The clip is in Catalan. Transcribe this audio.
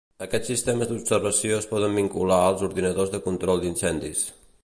Aquests sistemes d'observació es poden vincular als ordinadors de control d'incendis.